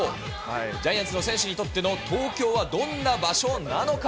ジャイアンツの選手にとっての東京はどんな場所なのか。